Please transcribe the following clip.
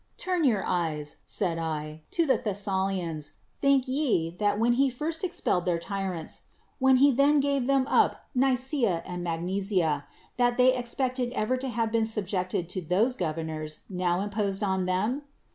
— "Turn your eyes," said I, "to the Thessalians ! think ye, that when he first ex pelled their tyrants, when he then gave them up l]6 L Nicfca and Magnesia, that they expected ever to have been subjected to those governors now imposed on them